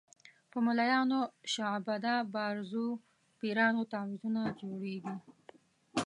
په ملایانو او شعبده بازو پیرانو تعویضونه جوړېږي.